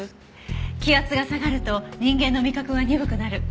気圧が下がると人間の味覚は鈍くなる。